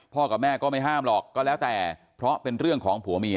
กับแม่ก็ไม่ห้ามหรอกก็แล้วแต่เพราะเป็นเรื่องของผัวเมีย